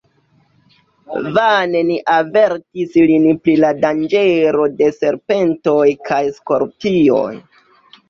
Vane ni avertis lin pri la danĝero de serpentoj kaj skorpioj.